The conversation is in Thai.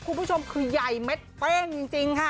คุณผู้ชมคือใหญ่เม็ดเป้งจริงค่ะ